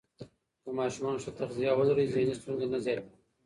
که ماشومان ښه تغذیه ولري، ذهني ستونزې نه زیاتېږي.